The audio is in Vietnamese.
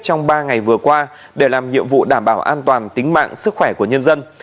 trong ba ngày vừa qua để làm nhiệm vụ đảm bảo an toàn tính mạng sức khỏe của nhân dân